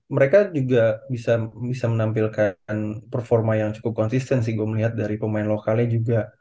mereka juga bisa bisa menampilkan performa yang cukup konsisten sih gue melihat dari pemain lokalnya juga